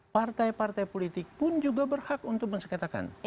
partai partai politik pun juga berhak untuk mensekatakan